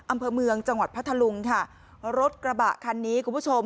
อำเภอเมืองจังหวัดพัทธลุงค่ะรถกระบะคันนี้คุณผู้ชม